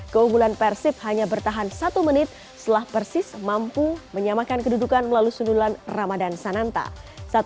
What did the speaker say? keunggulan persib hanya bertahan satu menit setelah persis mampu menyamakan kedudukan melalui sundulan ramadan sananta